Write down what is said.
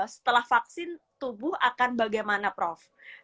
setelah vaksin tubuh akan bagaimana prof